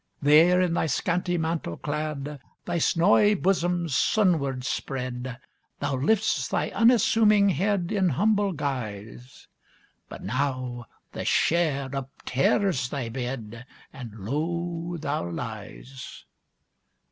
There, in thy scanty mantle clad, Thy snawy bosom sunward spread, Thou lifts thy unassuming head In humble guise; But now the share uptears thy bed, And low thou lies!